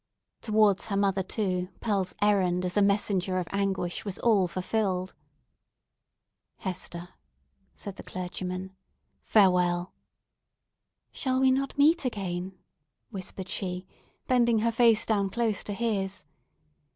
Towards her mother, too, Pearl's errand as a messenger of anguish was fulfilled. "Hester," said the clergyman, "farewell!" "Shall we not meet again?" whispered she, bending her face down close to his.